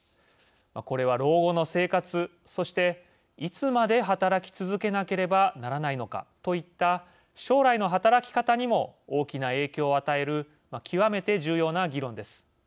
これは老後の生活、そしていつまで働き続けなければならないのかといった将来の働き方にも大きな影響を与える極めて重要な議論です。